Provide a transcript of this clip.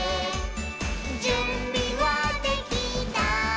「じゅんびはできた？